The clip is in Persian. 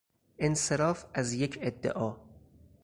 انصراف از یک ادعا